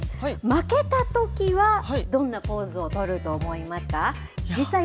負けたときはどんなポーズを取ると思いますか？